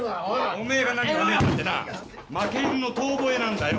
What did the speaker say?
おめえが何わめいたってな負け犬の遠ぼえなんだよ